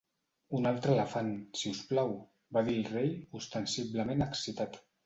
"Un altre elefant, si us plau!", va dir el rei, ostensiblement excitat.